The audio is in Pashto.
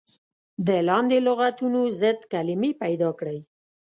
د لاندې لغتونو ضد کلمې پيداکړئ.